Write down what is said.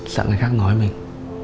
sợ người khác nói mình